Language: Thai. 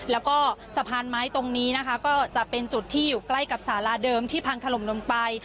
แล้วก็สะพานไม้ตรงนี้นะคะก็จะเป็นจุดที่อยู่ใกล้กับสาราเดิมที่พังถล่มลงไป